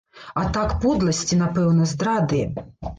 А так подласці, напэўна, здрады.